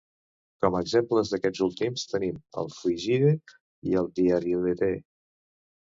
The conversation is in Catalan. Com a exemples d'aquests últims tenim el fulgide i el diariletè.